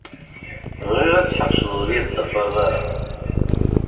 Bɣiɣ ad tḥebseḍ ur yi-d-teṭṭfaṛeḍ ara.